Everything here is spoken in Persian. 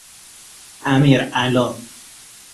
امیرعلا